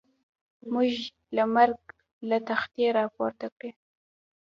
موږ له مرګ له تختې را پورته کړي.